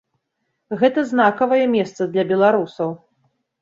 Гэта знакавае месца для беларусаў.